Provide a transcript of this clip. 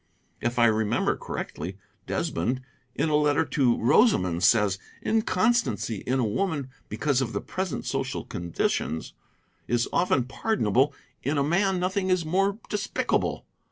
If I remember correctly, Desmond, in a letter to Rosamond, says: 'Inconstancy in a woman, because of the present social conditions, is often pardonable. In a man, nothing is more despicable.'